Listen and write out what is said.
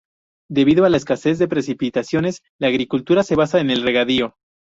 Debido a la escasez de precipitaciones, la agricultura se basa en el regadío.